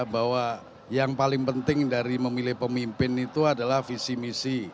bahwa yang paling penting dari memilih pemimpin itu adalah visi misi